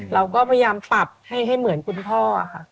เราก็พยายามปรับให้เหมือนคุณพ่อค่ะ